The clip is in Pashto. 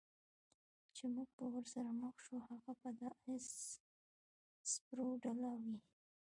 چې موږ به ورسره مخ شو، هغه به د اس سپرو ډله وي.